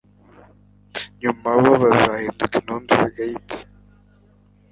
nyuma bo bazahinduka intumbi zigayitse